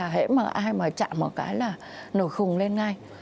hễ mà ai mà chạm một cái là nổi khùng lên ngay